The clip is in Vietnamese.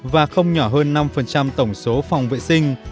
và không nhỏ hơn năm tổng số phòng vệ sinh